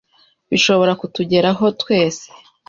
” bishobora kutugeraho twese.